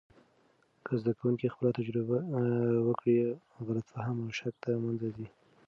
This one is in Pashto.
که زده کوونکي خپله تجربه وکړي، غلط فهم او شک د منځه ځي.